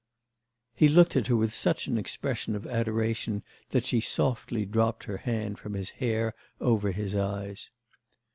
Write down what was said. He looked at her with such an expression of adoration, that she softly dropped her hand from his hair over his eyes.